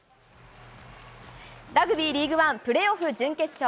ラグビーリーグワンプレーオフ準決勝。